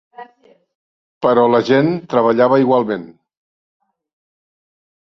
Però la gent treballava igualment.